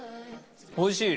おいしい。